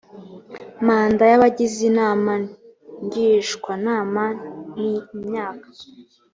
manda y abagize inama ngishwanama ni imyaka